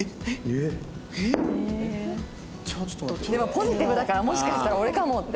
ポジティブだからもしかしたら俺かもって。